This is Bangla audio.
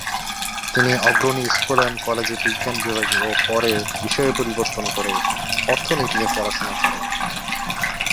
তিনি অগ্রণী স্কুল এন্ড কলেজে বিজ্ঞান বিভাগে ও পরে বিষয় পরিবর্তন করে অর্থনীতিতে পড়াশুনা করেন।